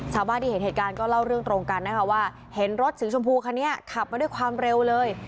ชาวบ้านที่เห็นเหตุการณ์ก็เล่าเรื่องตรงกันนะคะว่าเห็นรถสีชมพูคันนี้ขับมาด้วยความเร็วเลย